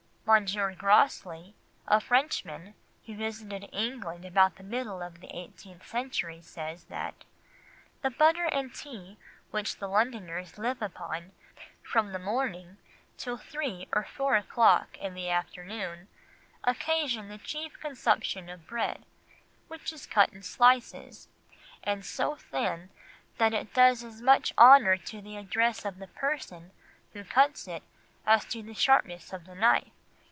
M. Grosley, a Frenchman who visited England about the middle of the eighteenth century, says that "the butter and tea, which the Londoners live upon from the morning till three or four o'clock in the afternoon, occasion the chief consumption of bread, which is cut in slices, and so thin that it does as much honour to the address of the person who cuts it as to the sharpness of the knife.